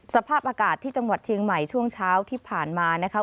สภาพอากาศที่จังหวัดเชียงใหม่ช่วงเช้าที่ผ่านมานะคะ